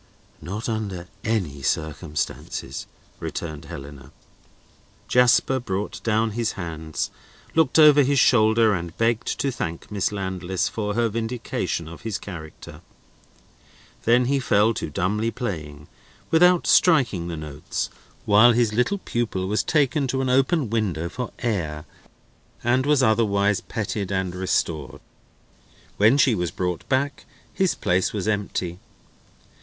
"Not under any circumstances," returned Helena. Jasper brought down his hands, looked over his shoulder, and begged to thank Miss Landless for her vindication of his character. Then he fell to dumbly playing, without striking the notes, while his little pupil was taken to an open window for air, and was otherwise petted and restored. When she was brought back, his place was empty.